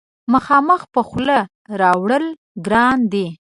مخامخ په خوله راوړل ګران دي.